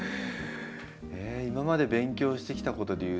今まで勉強してきたことでいうと。